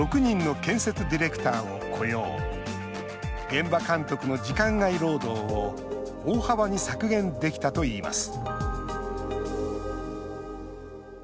現場監督の時間外労働を大幅に削減できたといいます